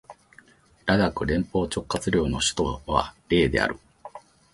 ラダック連邦直轄領の首府はレーである